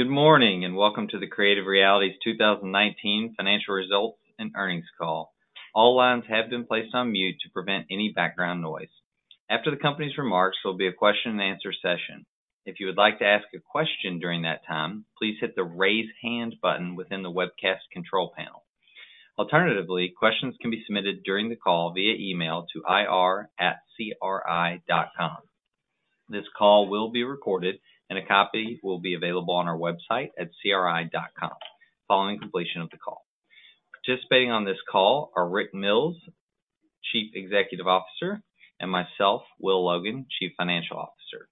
Good morning, and welcome to the Creative Realities 2019 financial results and earnings call. All lines have been placed on mute to prevent any background noise. After the company's remarks, there'll be a question-and-answer session. If you would like to ask a question during that time, please hit the raise hand button within the webcast control panel. Alternatively, questions can be submitted during the call via email to ir@cri.com. This call will be recorded and a copy will be available on our website at cri.com following completion of the call. Participating on this call are Rick Mills, Chief Executive Officer, and myself, Will Logan, Chief Financial Officer.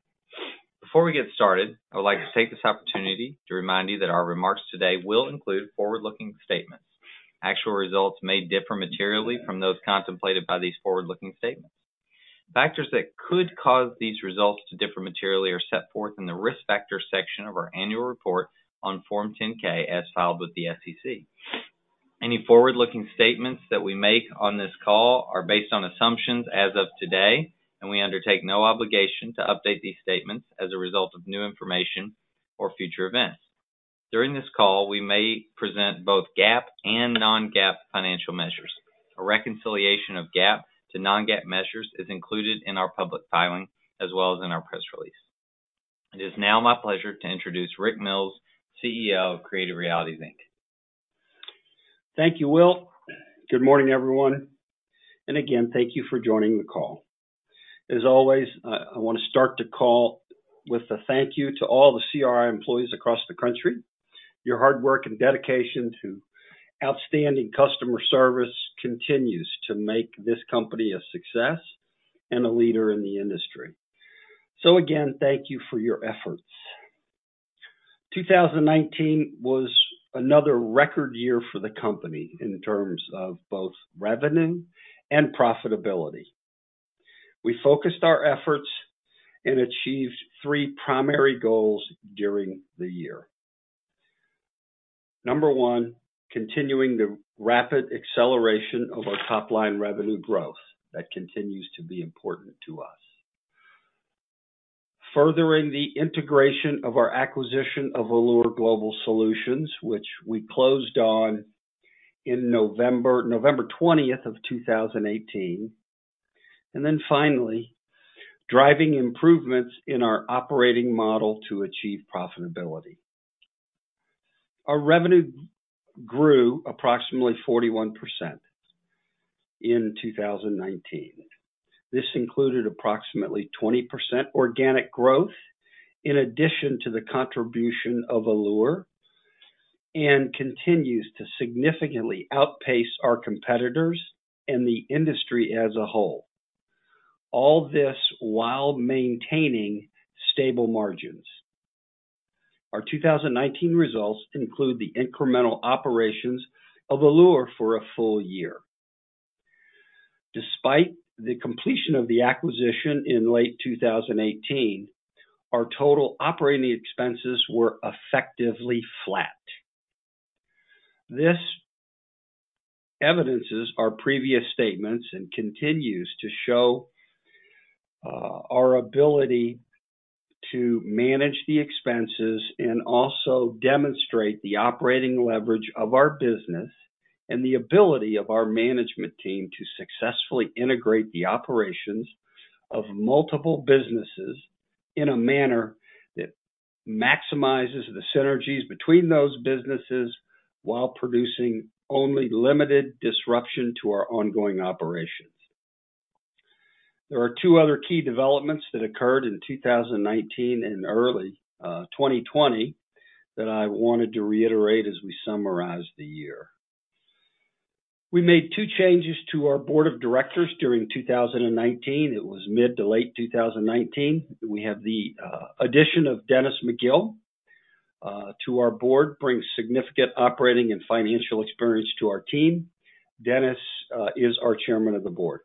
Before we get started, I would like to take this opportunity to remind you that our remarks today will include forward-looking statements. Actual results may differ materially from those contemplated by these forward-looking statements. Factors that could cause these results to differ materially are set forth in the risk factor section of our annual report on Form 10-K as filed with the SEC. Any forward-looking statements that we make on this call are based on assumptions as of today, and we undertake no obligation to update these statements as a result of new information or future events. During this call, we may present both GAAP and non-GAAP financial measures. A reconciliation of GAAP to non-GAAP measures is included in our public filing as well as in our press release. It is now my pleasure to introduce Rick Mills, CEO of Creative Realities, Inc. Thank you, Will. Good morning, everyone, again, thank you for joining the call. As always, I want to start the call with a thank you to all the CRI employees across the country. Your hard work and dedication to outstanding customer service continues to make this company a success and a leader in the industry. Again, thank you for your efforts. 2019 was another record year for the company in terms of both revenue and profitability. We focused our efforts and achieved three primary goals during the year. Number one, continuing the rapid acceleration of our top-line revenue growth. That continues to be important to us. Furthering the integration of our acquisition of Allure Global Solutions, which we closed on in November 20th of 2018. Finally, driving improvements in our operating model to achieve profitability. Our revenue grew approximately 41% in 2019. This included approximately 20% organic growth in addition to the contribution of Allure and continues to significantly outpace our competitors and the industry as a whole, all this while maintaining stable margins. Our 2019 results include the incremental operations of Allure for a full-year. Despite the completion of the acquisition in late 2018, our total operating expenses were effectively flat. This evidences our previous statements and continues to show our ability to manage the expenses and also demonstrate the operating leverage of our business and the ability of our management team to successfully integrate the operations of multiple businesses in a manner that maximizes the synergies between those businesses while producing only limited disruption to our ongoing operations. There are two other key developments that occurred in 2019 and early 2020 that I wanted to reiterate as we summarize the year. We made two changes to our board of directors during 2019. It was mid- to late-2019. We have the addition of Dennis McGill to our Board, brings significant operating and financial experience to our team. Dennis is our Chairman of the Board.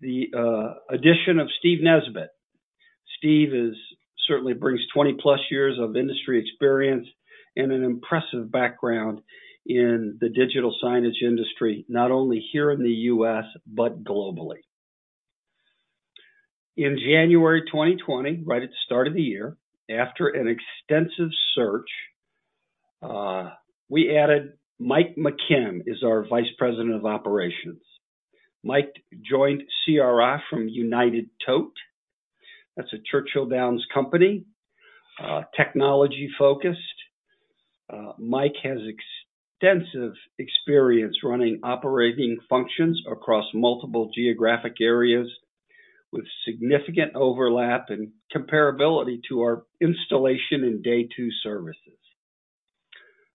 The addition of Steve Nesbitt. Steve certainly brings 20-plus years of industry experience and an impressive background in the digital signage industry, not only here in the U.S., but globally. In January 2020, right at the start of the year, after an extensive search, we added Mike McKim as our Vice President of Operations. Mike joined CRI from United Tote. That's a Churchill Downs company, technology-focused. Mike has extensive experience running operating functions across multiple geographic areas with significant overlap and comparability to our installation and day two services.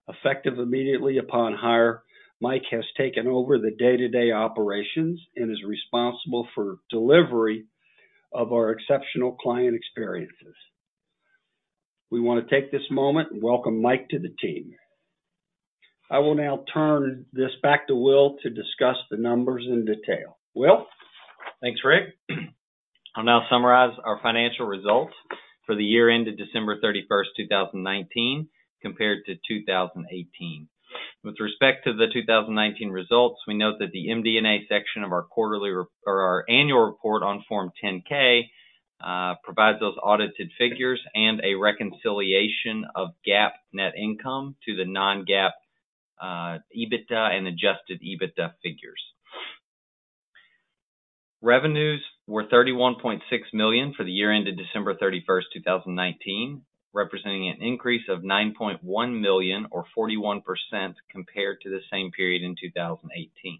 Effective immediately upon hire, Mike has taken over the day-to-day operations and is responsible for delivery of our exceptional client experiences. We want to take this moment and welcome Mike to the team. I will now turn this back to Will to discuss the numbers in detail. Will? Thanks, Rick. I'll now summarize our financial results for the year ended December 31st, 2019. Compared to 2018. With respect to the 2019 results, we note that the MD&A section of our annual report on Form 10-K provides those audited figures and a reconciliation of GAAP net income to the non-GAAP EBITDA and adjusted EBITDA figures. Revenues were $31.6 million for the year ended December 31, 2019, representing an increase of $9.1 million or 41% compared to the same period in 2018.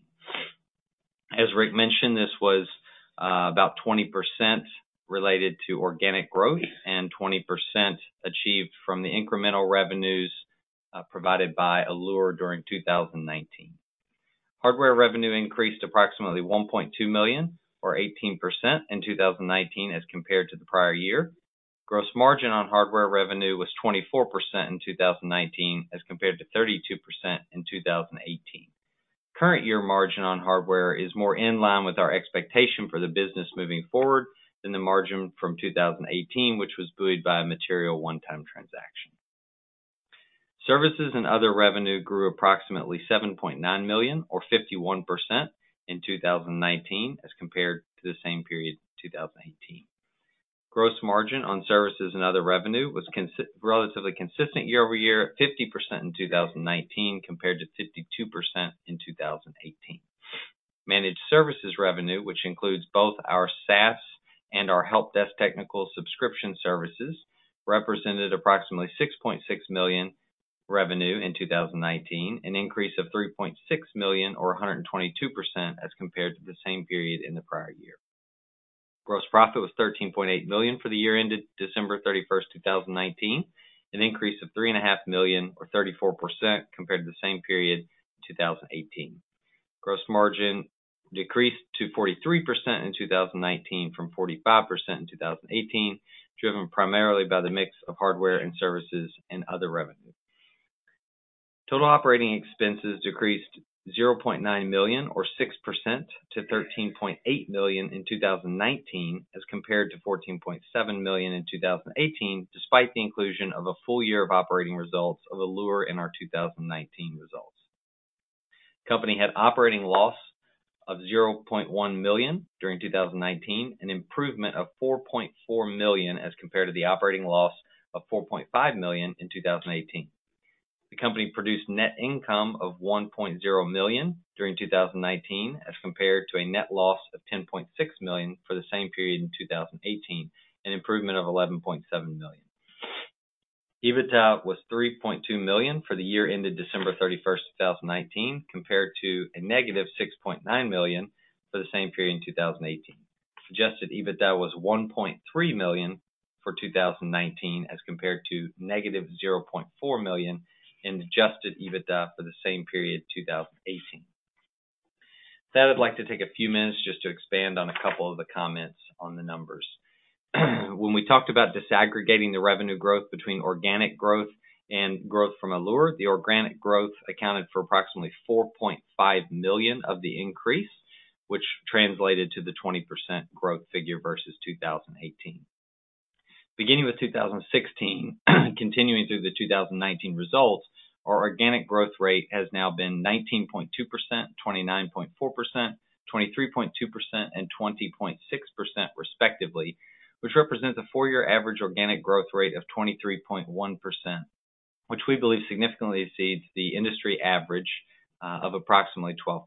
As Rick mentioned, this was about 20% related to organic growth and 20% achieved from the incremental revenues provided by Allure during 2019. Hardware revenue increased approximately $1.2 million or 18% in 2019 as compared to the prior year. Gross margin on hardware revenue was 24% in 2019 as compared to 32% in 2018. Current year margin on hardware is more in line with our expectation for the business moving forward than the margin from 2018, which was buoyed by a material one-time transaction. Services and other revenue grew approximately $7.9 million or 51% in 2019 as compared to the same period in 2018. Gross margin on services and other revenue was relatively consistent year-over-year at 50% in 2019 compared to 52% in 2018. Managed services revenue, which includes both our SaaS and our help desk technical subscription services, represented approximately $6.6 million revenue in 2019, an increase of $3.6 million or 122% as compared to the same period in the prior year. Gross profit was $13.8 million for the year ended December 31, 2019, an increase of $3.5 million or 34% compared to the same period in 2018. Gross margin decreased to 43% in 2019 from 45% in 2018, driven primarily by the mix of hardware and services and other revenue. Total operating expenses decreased $0.9 million or 6% to $13.8 million in 2019 as compared to $14.7 million in 2018, despite the inclusion of a full-year of operating results of Allure in our 2019 results. Company had operating loss of $0.1 million during 2019, an improvement of $4.4 million as compared to the operating loss of $4.5 million in 2018. The company produced net income of $1.0 million during 2019 as compared to a net loss of $10.6 million for the same period in 2018, an improvement of $11.7 million. EBITDA was $3.2 million for the year ended December 31, 2019, compared to a -$6.9 million for the same period in 2018. Adjusted EBITDA was $1.3 million for 2019 as compared to -$0.4 million in adjusted EBITDA for the same period in 2018. With that, I'd like to take a few minutes just to expand on a couple of the comments on the numbers. When we talked about disaggregating the revenue growth between organic growth and growth from Allure, the organic growth accounted for approximately $4.5 million of the increase, which translated to the 20% growth figure versus 2018. Beginning with 2016, continuing through the 2019 results, our organic growth rate has now been 19.2%, 29.4%, 23.2%, and 20.6% respectively, which represents a four-year average organic growth rate of 23.1%, which we believe significantly exceeds the industry average of approximately 12%.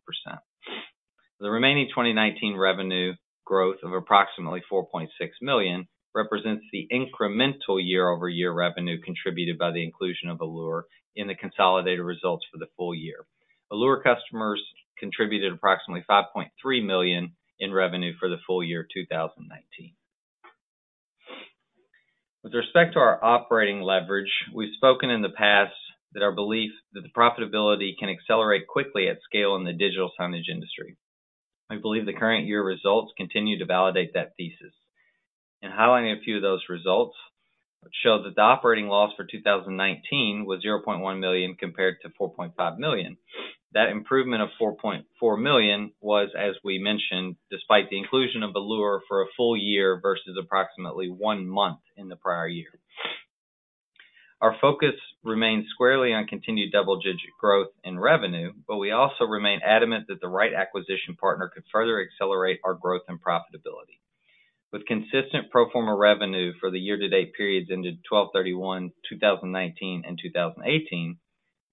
The remaining 2019 revenue growth of approximately $4.6 million represents the incremental year-over-year revenue contributed by the inclusion of Allure in the consolidated results for the full year. Allure customers contributed approximately $5.3 million in revenue for the full year 2019. With respect to our operating leverage, we've spoken in the past that our belief that the profitability can accelerate quickly at scale in the digital signage industry. I believe the current year results continue to validate that thesis. In highlighting a few of those results, it shows that the operating loss for 2019 was $0.1 million compared to $4.5 million. That improvement of $4.4 million was, as we mentioned, despite the inclusion of Allure for a full year versus approximately one month in the prior year. Our focus remains squarely on continued double-digit growth in revenue, but we also remain adamant that the right acquisition partner could further accelerate our growth and profitability. With consistent pro forma revenue for the year-to-date periods ended 12/31, 2019, and 2018,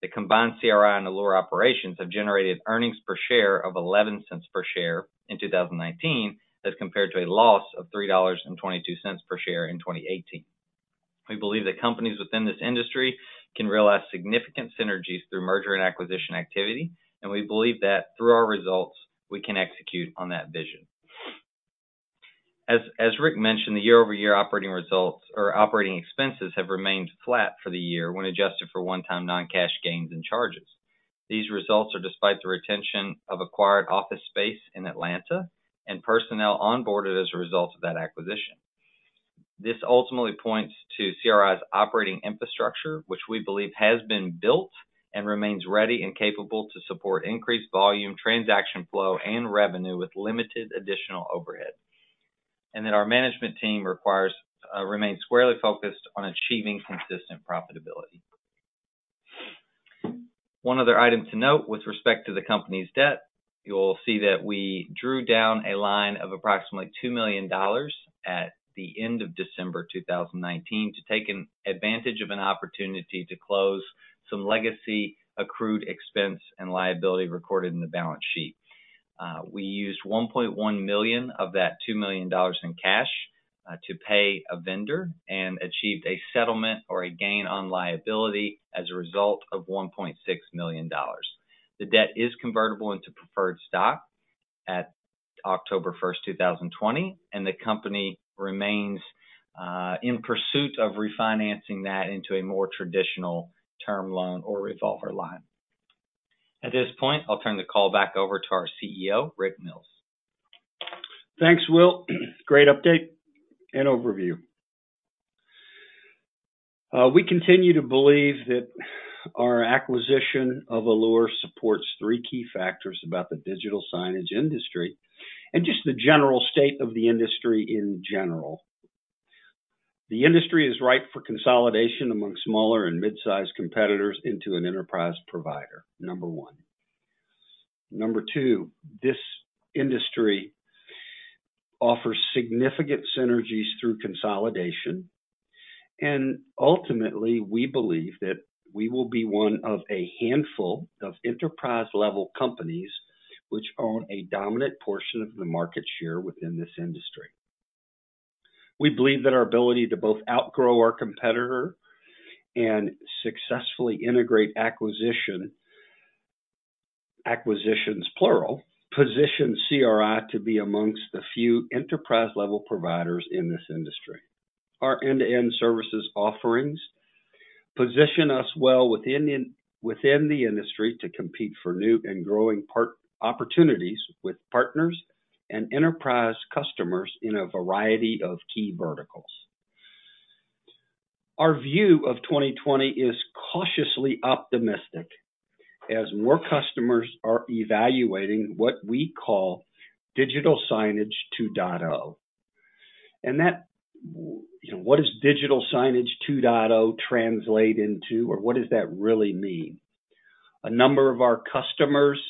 the combined CRI and Allure operations have generated earnings per share of $0.11 per share in 2019 as compared to a loss of $3.22 per share in 2018. We believe that companies within this industry can realize significant synergies through merger and acquisition activity, and we believe that through our results, we can execute on that vision. As Rick mentioned, the year-over-year operating results or operating expenses have remained flat for the year when adjusted for one-time non-cash gains and charges. These results are despite the retention of acquired office space in Atlanta and personnel onboarded as a result of that acquisition. This ultimately points to CRI's operating infrastructure, which we believe has been built and remains ready and capable to support increased volume, transaction flow, and revenue with limited additional overhead. That our management team remains squarely focused on achieving consistent profitability. One other item to note with respect to the company's debt, you'll see that we drew down a line of approximately $2 million at the end of December 2019 to take advantage of an opportunity to close some legacy accrued expense and liability recorded in the balance sheet. We used $1.1 million of that $2 million in cash to pay a vendor and achieved a settlement or a gain on liability as a result of $1.6 million. The debt is convertible into preferred stock at October 1st, 2020, and the company remains in pursuit of refinancing that into a more traditional term loan or revolver line. At this point, I'll turn the call back over to our CEO, Rick Mills. Thanks, Will. Great update and overview. We continue to believe that our acquisition of Allure supports three key factors about the digital signage industry and just the general state of the industry in general. The industry is ripe for consolidation among smaller and mid-size competitors into an enterprise provider, number one. Number two, this industry offers significant synergies through consolidation. Ultimately, we believe that we will be one of a handful of enterprise-level companies which own a dominant portion of the market share within this industry. We believe that our ability to both outgrow our competitor and successfully integrate acquisitions, plural, positions CRI to be amongst the few enterprise-level providers in this industry. Our end-to-end services offerings position us well within the industry to compete for new and growing opportunities with partners and enterprise customers in a variety of key verticals. Our view of 2020 is cautiously optimistic as more customers are evaluating what we call Digital Signage 2.0. What does Digital Signage 2.0 translate into or what does that really mean? A number of our customers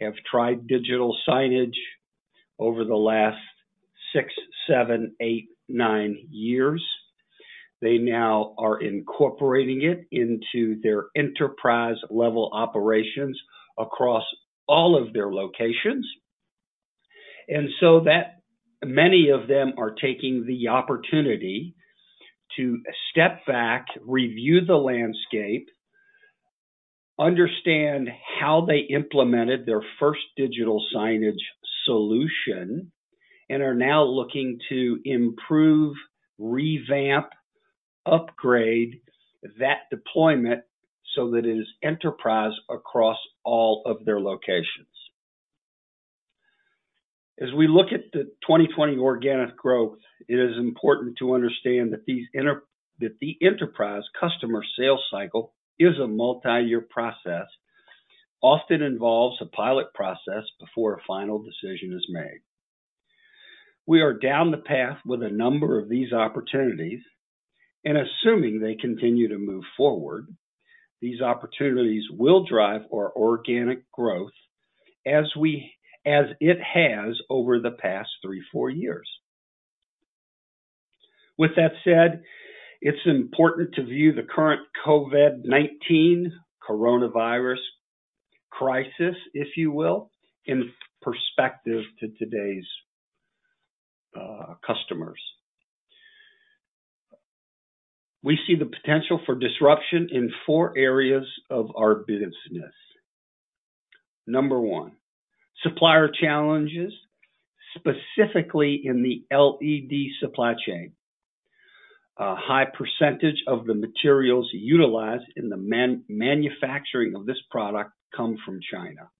have tried digital signage over the last six, seven, eight, nine years. They now are incorporating it into their enterprise-level operations across all of their locations. Many of them are taking the opportunity to step back, review the landscape, understand how they implemented their first digital signage solution, and are now looking to improve, revamp, upgrade that deployment so that it is enterprise across all of their locations. As we look at the 2020 organic growth, it is important to understand that the enterprise customer sales cycle is a multi-year process, often involves a pilot process before a final decision is made. We are down the path with a number of these opportunities, assuming they continue to move forward, these opportunities will drive our organic growth as it has over the past three, four years. With that said, it's important to view the current COVID-19 coronavirus crisis, if you will, in perspective to today's customers. We see the potential for disruption in four areas of our business. Number one, supplier challenges, specifically in the LED supply chain. A high percentage of the materials utilized in the manufacturing of this product come from China.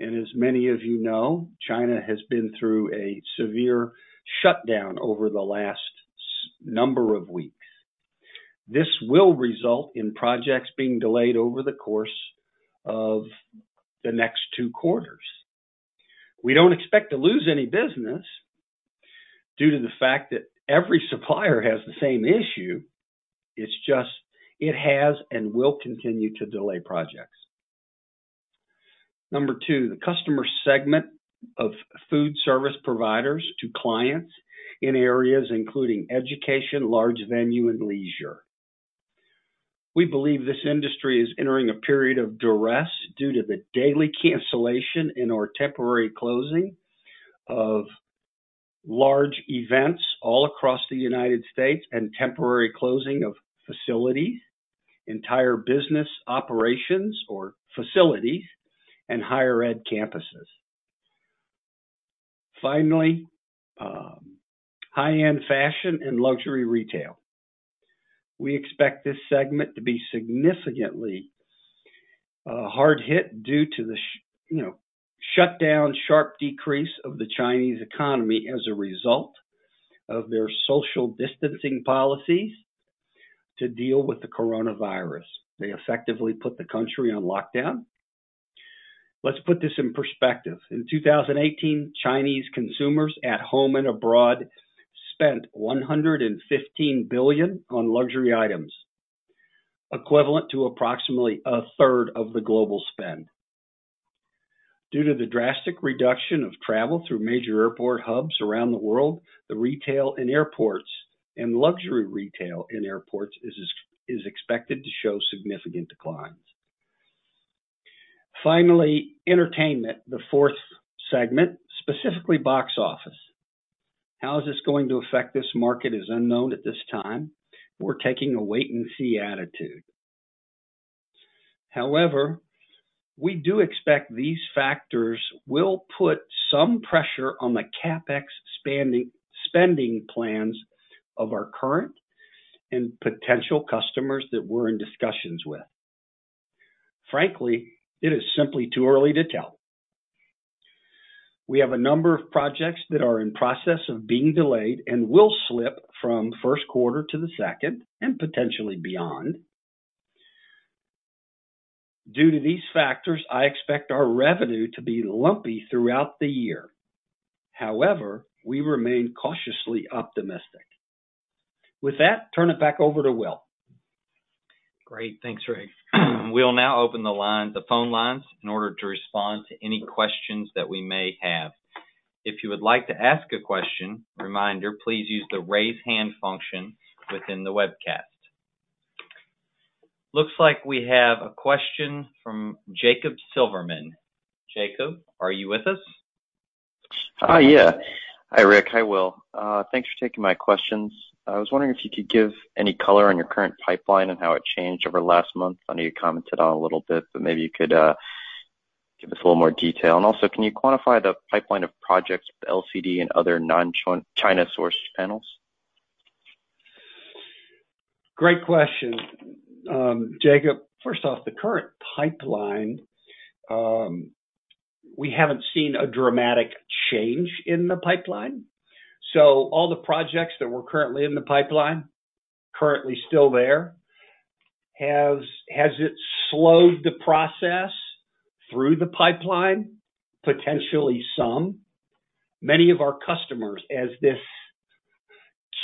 As many of you know, China has been through a severe shutdown over the last number of weeks. This will result in projects being delayed over the course of the next two quarters. We don't expect to lose any business due to the fact that every supplier has the same issue. It's just it has and will continue to delay projects. Number two, the Customer segment of food service providers to clients in areas including education, large venue, and leisure. We believe this industry is entering a period of duress due to the daily cancellation and/or temporary closing of large events all across the United States and temporary closing of facilities, entire business operations or facilities, and Higher ed campuses. Finally, High-end Fashion and Luxury Retail. We expect this segment to be significantly hard hit due to the shutdown, sharp decrease of the Chinese economy as a result of their social distancing policies to deal with the coronavirus. They effectively put the country on lockdown. Let's put this in perspective. In 2018, Chinese consumers at home and abroad spent $115 billion on luxury items, equivalent to approximately a third of the global spend. Due to the drastic reduction of travel through major airport hubs around the world, the retail in airports and luxury retail in airports is expected to show significant declines. Finally, Entertainment, the fourth segment, specifically box office. How is this going to affect this market is unknown at this time. We're taking a wait-and-see attitude. We do expect these factors will put some pressure on the CapEx spending plans of our current and potential customers that we're in discussions with. Frankly, it is simply too early to tell. We have a number of projects that are in process of being delayed and will slip from first quarter to the second, and potentially beyond. Due to these factors, I expect our revenue to be lumpy throughout the year. We remain cautiously optimistic. With that, turn it back over to Will. Great. Thanks, Rick. We'll now open the phone lines in order to respond to any questions that we may have. If you would like to ask a question, reminder, please use the raise hand function within the webcast. Looks like we have a question from Jacob Silverman. Jacob, are you with us? Yeah. Hi, Rick. Hi, Will. Thanks for taking my questions. I was wondering if you could give any color on your current pipeline and how it changed over last month. I know you commented on it a little bit, but maybe you could give us a little more detail. Also, can you quantify the pipeline of projects with LCD and other non-China sourced panels? Great question, Jacob. First off, the current pipeline, we haven't seen a dramatic change in the pipeline. All the projects that were currently in the pipeline, currently still there. Has it slowed the process through the pipeline? Potentially some. Many of our customers, as this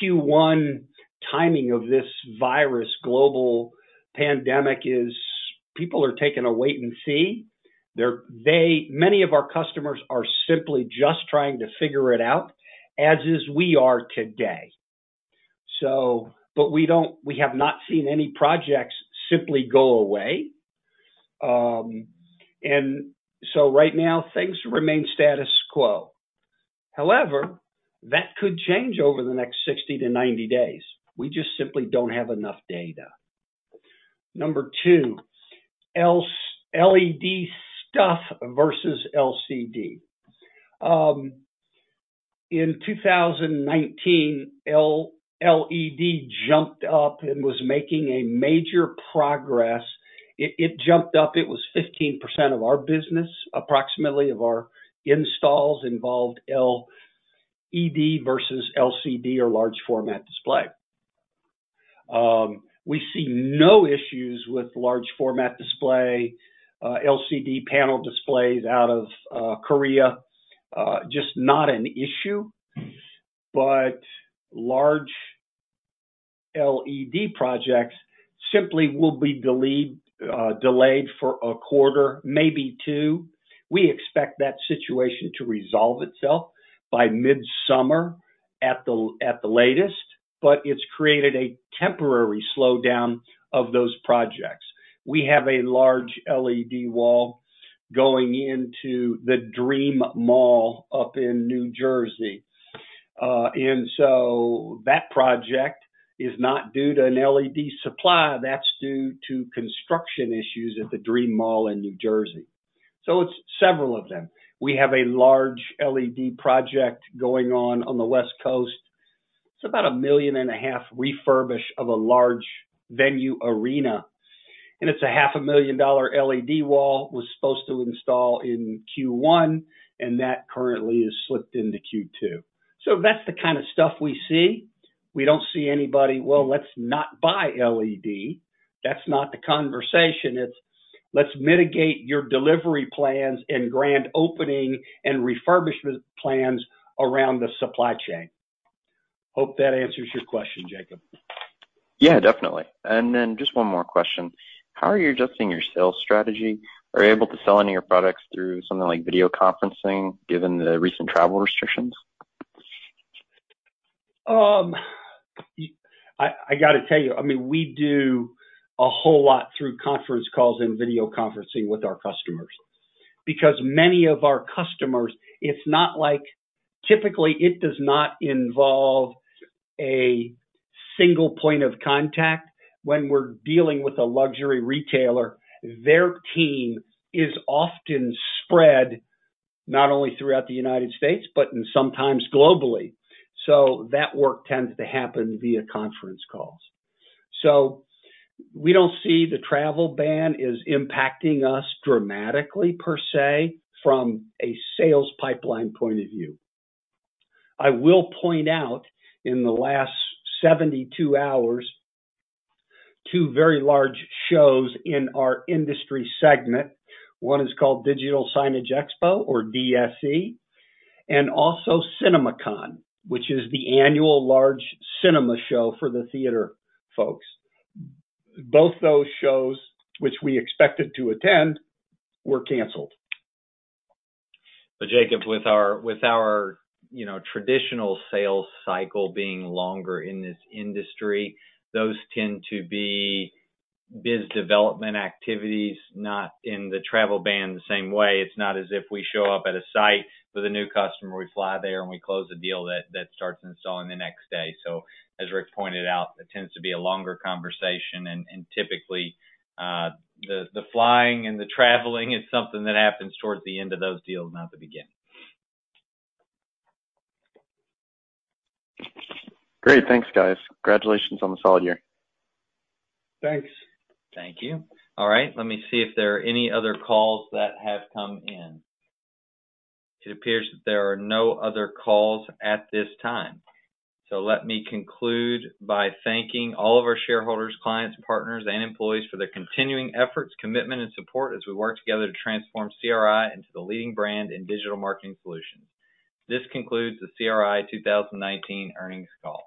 Q1 timing of this virus global pandemic is, people are taking a wait and see. Many of our customers are simply just trying to figure it out, as is we are today. We have not seen any projects simply go away. Right now, things remain status quo. However, that could change over the next 60 to 90 days. We just simply don't have enough data. Number two, LED stuff versus LCD. In 2019, LED jumped up and was making a major progress. It jumped up. It was 15% of our business, approximately of our installs involved LED versus LCD or large format display. We see no issues with large format display, LCD panel displays out of Korea. Just not an issue. Large LED projects simply will be delayed for a quarter, maybe two. We expect that situation to resolve itself by mid-summer at the latest, but it's created a temporary slowdown of those projects. We have a large LED wall going into the Dream Mall up in New Jersey. That project is not due to an LED supply. That's due to construction issues at the Dream Mall in New Jersey. It's several of them. We have a large LED project going on on the West Coast. It's about a $1.5 million refurbish of a large venue arena, and it's a $500,000 LED wall was supposed to install in Q1. That currently has slipped into Q2. That's the kind of stuff we see. We don't see anybody, well, let's not buy LED." That's not the conversation. It's let's mitigate your delivery plans and grand opening and refurbishment plans around the supply chain. Hope that answers your question, Jacob. Yeah, definitely. Just one more question. How are you adjusting your sales strategy? Are you able to sell any of your products through something like video conferencing, given the recent travel restrictions? I got to tell you, we do a whole lot through conference calls and video conferencing with our customers. Many of our customers, typically it does not involve a single point of contact when we're dealing with a luxury retailer. Their team is often spread not only throughout the United States, but sometimes globally. That work tends to happen via conference calls. We don't see the travel ban is impacting us dramatically per se from a sales pipeline point of view. I will point out in the last 72 hours, two very large shows in our industry segment. One is called Digital Signage Expo or DSE, and also CinemaCon, which is the annual large cinema show for the theater folks. Both those shows, which we expected to attend, were canceled. Jacob, with our traditional sales cycle being longer in this industry, those tend to be biz development activities, not in the travel ban the same way. It's not as if we show up at a site with a new customer, we fly there, and we close a deal that starts installing the next day. As Rick pointed out, it tends to be a longer conversation, and typically, the flying and the traveling is something that happens towards the end of those deals, not the beginning. Great. Thanks, guys. Congratulations on the solid year. Thanks. Thank you. All right. Let me see if there are any other calls that have come in. It appears that there are no other calls at this time. Let me conclude by thanking all of our shareholders, clients, partners, and employees for their continuing efforts, commitment, and support as we work together to transform CRI into the leading brand in digital marketing solutions. This concludes the CRI 2019 earnings call